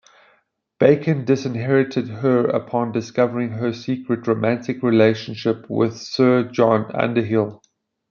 Bacon disinherited her upon discovering her secret romantic relationship with Sir John Underhill.